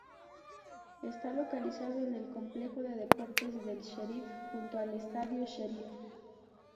Está localizado en el Complejo de Deportes del Sheriff, junto al Estadio Sheriff